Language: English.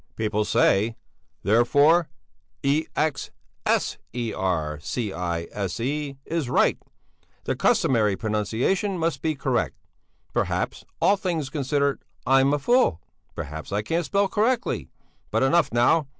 "People say therefore ex sercise is right; the customary pronunciation must be correct. Perhaps, all things considered, I'm a fool? Perhaps I can't spell correctly? But enough, now!